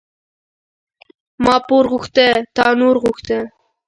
ـ ما پور غوښته تا نور غوښته.